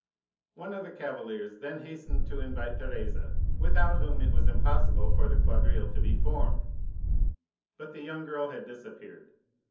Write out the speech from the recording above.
"One of the cavaliers then hastened to invite Teresa, without whom it was impossible for the quadrille to be formed, but the young girl had disappeared.